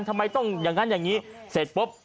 ทำไมต้องอย่างนั้นอย่างนี้เสร็จปุ๊บ